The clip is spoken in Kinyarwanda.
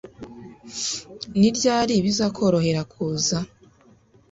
Ni ryari bizakorohera kuza?